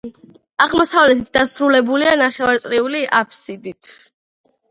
აღმოსავლეთით დასრულებულია, ნახევარწრიული აბსიდით.